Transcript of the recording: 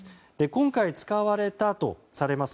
今回、使われたとされます